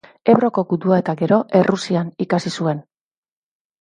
Ebroko gudua eta gero, Errusian ikasi zuen.